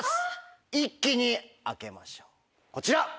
一気に開けましょうこちら！